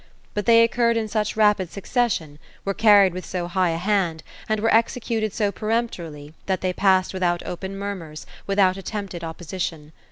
But they occurred in such rapid succession, were carried with so high a hand, and were executed so peremptorily, that they passed without open murmurs, without attempted opposition.